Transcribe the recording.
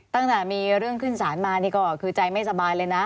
ตั้งแต่มีเรื่องขึ้นสารมานี่ก็คือใจไม่สบายเลยนะ